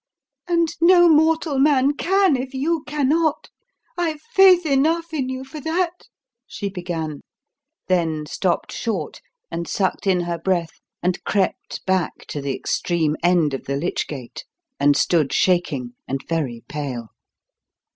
"And no mortal man can if you cannot I've faith enough in you for that," she began, then stopped short and sucked in her breath, and crept back to the extreme end of the lich gate and stood shaking and very pale.